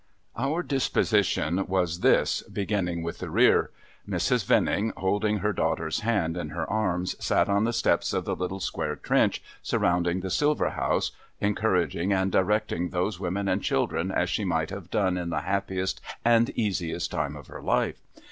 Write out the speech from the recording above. Our disposition was this, beginning with the rear. Mrs. Venning, PIRATES BEFORE THE GATE 165 holding her daughter's child in her arms, sat on the steps of the Httle square trench surrounding the silver house, encouraging and directing those women and children as she might have done in the happiest and easiest time of her life.